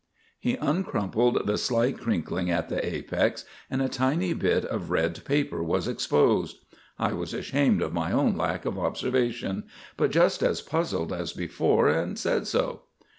He uncrumpled the slight crinkling at the apex and a tiny bit of red paper was exposed. I was ashamed of my own lack of observation; but just as puzzled as before and said so.